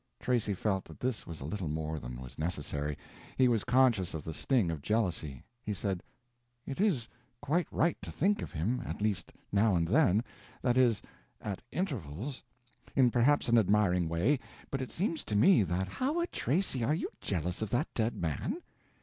Tracy felt that this was a little more than was necessary. He was conscious of the sting of jealousy. He said: "It is quite right to think of him—at least now and then—that is, at intervals—in perhaps an admiring way—but it seems to me that—" "Howard Tracy, are you jealous of that dead man?"